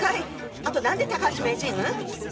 あと何で高橋名人？